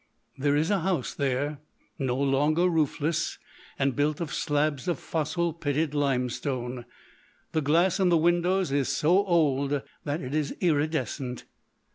"There is a house there, no longer roofless, and built of slabs of fossil pitted limestone. The glass in the windows is so old that it is iridescent.